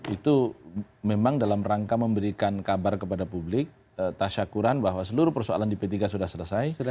itu memang dalam rangka memberikan kabar kepada publik tasyakuran bahwa seluruh persoalan di p tiga sudah selesai